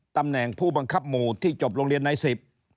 ตำแหน่งผู้บังคับหมู่ที่จบโรงเรียนในสิบ